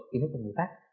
kiến thức về người khác